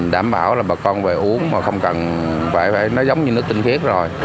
đảm bảo là bà con phải uống mà không cần phải nói giống như nước tinh thiết rồi